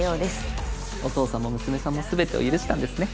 お父さんも娘さんも全てを許したんですね。